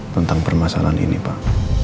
tentang permasalahan ini pak